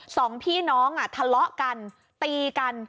สองพี่น้องทะเลาะกันตีกัน